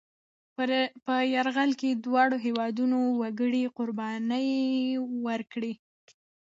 په یرغل کې دواړو هېوادنو وګړي قربانۍ ورکړې.